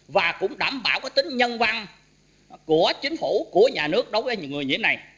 và cũng đảm bảo tính nhân văn của chính phủ của nhà nước đối với những người nhiễm này